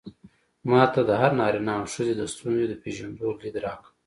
ما ته د هر نارينه او ښځې د ستونزو د پېژندو ليد راکړ.